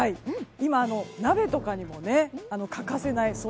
今、鍋とかにも欠かせない